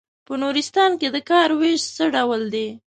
په نورستان کې د کار وېش څه ډول دی.